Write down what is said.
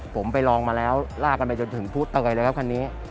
ผมไปลองมาแล้วลากกันไปจนถึงผู้เตยเลยครับคันนี้